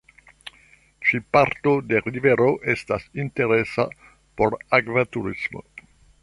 Ĉi parto de rivero estas interesa por akva turismo.